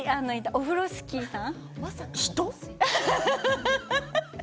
オフロスキーさん。